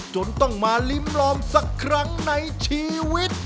จนต้องมาลิ้มลองสักครั้งในชีวิต